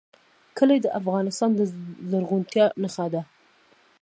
کلي د افغانستان د زرغونتیا نښه ده.